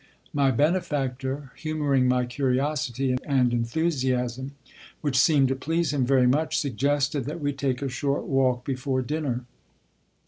My benefactor, humoring my curiosity and enthusiasm, which seemed to please him very much, suggested that we take a short walk before dinner.